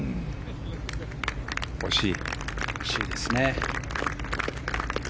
惜しいですね。